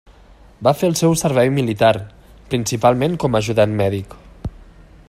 Va fer el seu servei militar, principalment com a ajudant mèdic.